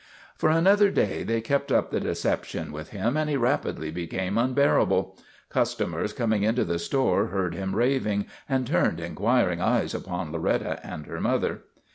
For another day they kept up the deception with him and he rapidly became unbearable. Customers coming into the store heard him raving and turned inquiring eyes upon Loretta and her mother.